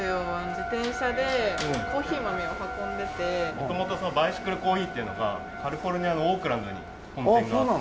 元々バイシクルコーヒーっていうのがカリフォルニアのオークランドに本店があって